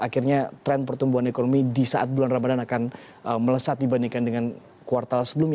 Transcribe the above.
akhirnya tren pertumbuhan ekonomi di saat bulan ramadan akan melesat dibandingkan dengan kuartal sebelumnya